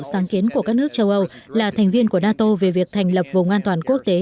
sáng kiến của các nước châu âu là thành viên của nato về việc thành lập vùng an toàn quốc tế